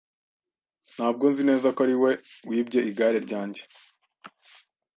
Ntabwo nzi neza ko ari we wibye igare ryanjye.